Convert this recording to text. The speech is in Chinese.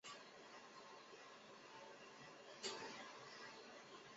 中国大飞机事业万里长征走了又一步，我们一定要有自己的大飞机。